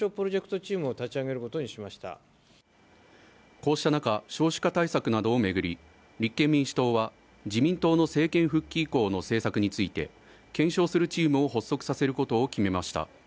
こうした中少子化対策などを巡り立憲民主党は自民党の政権復帰以降の政策について検証するチームを発足させることを決めました